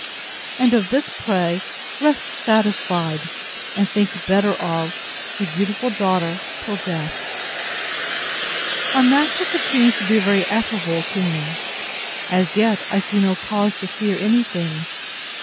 And of this pray rest satisfied, and think better of Your dutiful DAUGHTER till death. My master continues to be very affable to me. As yet I see no cause to fear any thing.